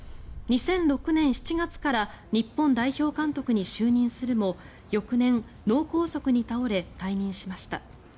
２００６年７月から日本代表監督に就任するも翌年、脳梗塞に倒れ退任しました。